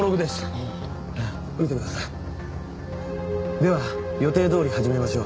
「では予定通り始めましょう」